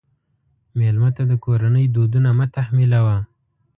مېلمه ته د کورنۍ دودونه مه تحمیلوه.